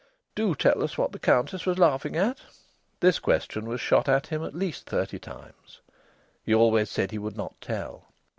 "Do tell us what the Countess was laughing at?" This question was shot at him at least thirty times. He always said he would not tell.